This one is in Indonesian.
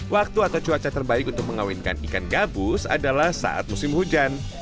waktu atau cuaca terbaik untuk mengawinkan ikan gabus adalah saat musim hujan